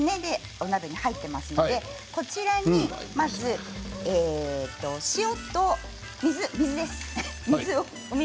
お鍋に入っていますのでこちらに、まず塩と水です。